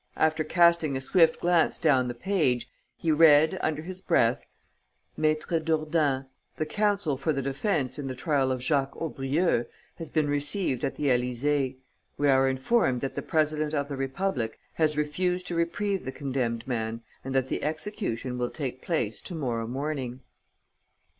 After casting a swift glance down the page, he read, under his breath: "Maître Dourdens, the counsel for the defence in the trial of Jacques Aubrieux, has been received at the Élysée. We are informed that the President of the Republic has refused to reprieve the condemned man and that the execution will take place to morrow morning."